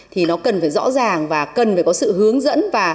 thì nó cần phải rõ ràng và cần phải có sự hướng dẫn